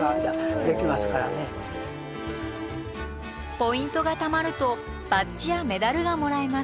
ポイントがたまるとバッチやメダルがもらえます。